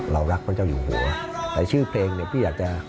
รักพระเจ้าอยู่หัวแต่ชื่อเพลงเนี่ยพี่อยากจะ